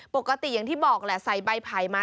อย่างที่บอกแหละใส่ใบไผ่มา